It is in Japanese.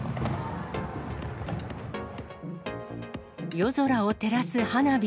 夜空を照らす花火。